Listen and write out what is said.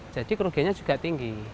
jadi kerugiannya juga tinggi